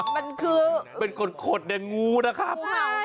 มันคือเป็นขดในงูนะครับ